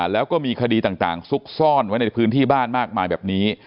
แล้วก็มีคดีต่างซุกซ่อนไว้ในพื้นที่บ้านมากมายแบบนี้